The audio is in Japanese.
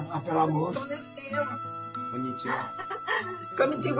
こんにちは。